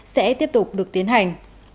sẽ tiếp tục được tiến hành